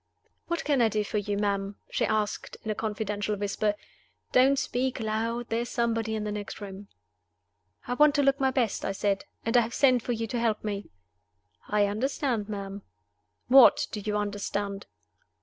"What can I do for you, ma'am?" she asked, in a confidential whisper. "Don't speak loud! there is somebody in the next room." "I want to look my best," I said, "and I have sent for you to help me." "I understand, ma'am." "What do you understand?"